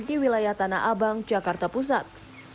di wilayah tanah abang jakarta pusat